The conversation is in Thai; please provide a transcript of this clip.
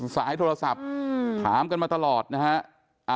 สายโทรศัพท์ถามกันมาตลอดนะฮะ